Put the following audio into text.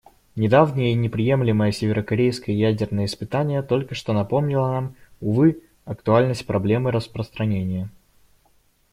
Недавнее и неприемлемое северокорейское ядерное испытание только что напомнило нам, увы, актуальность проблемы распространения.